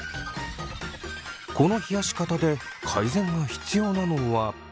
この冷やし方で改善が必要なのは。